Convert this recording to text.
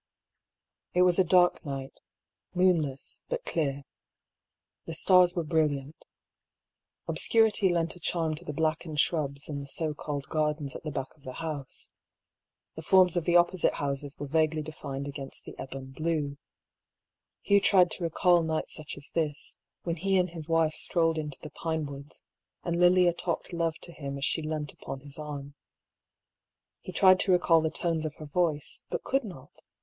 It was a dark night — moonless, but clear. The stars were brilliant. Obscurity lent a charm to the blackened shrubs in the so called gardens at the back of the house. The forms of the opposite houses were vaguely defined against the ebon blue. Hugh tried to recall nights such as this, when he and his wife strolled into the pinewoods, and Lilia talked Jove to him as she leant upon his arm. He tried to recall the tones of her voice, but could not.